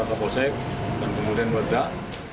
ke mapolsek dan kemudian ledak